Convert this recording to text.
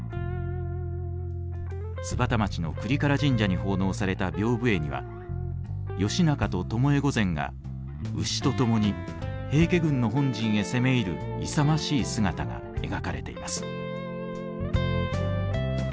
津幡町の倶利伽羅神社に奉納された屏風絵には義仲と巴御前が牛と共に平家軍の本陣へ攻め入る勇ましい姿が描かれています。